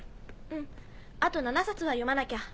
うんあと７冊は読まなきゃ。